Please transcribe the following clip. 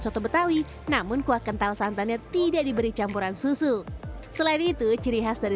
soto betawi namun kuah kental santannya tidak diberi campuran susu selain itu ciri khas dari